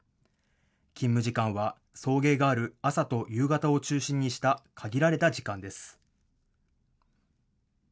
勤務時間は送迎がある朝と夕方を中心にした限られた時間です。